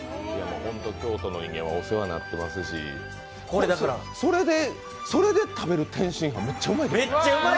京都の人間は本当にお世話になってますしそれで食べる天津飯、めっちゃうまい。